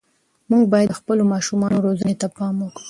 موږ باید د خپلو ماشومانو روزنې ته پام وکړو.